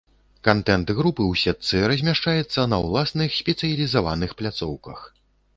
Кантэнт групы ў сетцы размяшчаецца на ўласных спецыялізаваных пляцоўках.